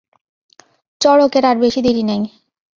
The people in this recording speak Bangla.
চড়কের আর বেশি দেরি নাই।